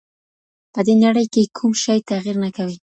په دې نړۍ کي کوم شی تغیر نه کوي؟